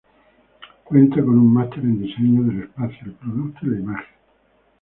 Cuenta con un Master en Diseño del Espacio, El Producto y la Imagen.